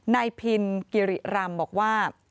นายพินกิริรำบอกว่า